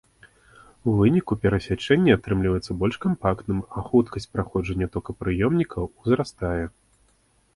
У выніку перасячэнне атрымліваецца больш кампактным, а хуткасць праходжання токапрыёмнікаў узрастае.